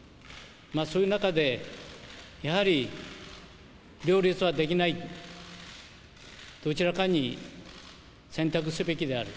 そういう中で、やはり両立はできない、どちらかに選択すべきである。